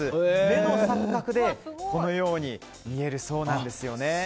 目の錯覚でこのように見えるそうなんです。